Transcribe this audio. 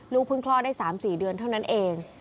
เพิ่งคลอดได้๓๔เดือนเท่านั้นเอง